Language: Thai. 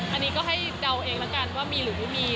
อันนี้ก็ให้เดาเองแล้วกันว่ามีหรือไม่มี